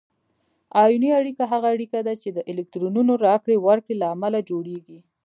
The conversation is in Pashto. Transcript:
آیوني اړیکه هغه اړیکه ده چې د الکترونونو راکړې ورکړې له امله جوړیږي.